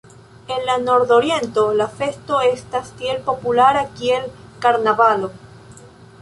En la Nordoriento, la festo estas tiel populara kiel karnavalo.